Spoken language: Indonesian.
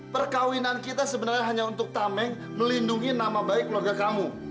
perkawinan kita sebenarnya hanya untuk tameng melindungi nama baik keluarga kamu